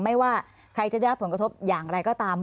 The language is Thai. ไม่ว่าใครจะได้รับผลกระทบอย่างไรก็ตาม